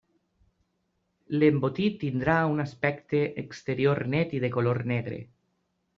L'embotit tindrà un aspecte exterior net i de color negre.